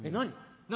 何？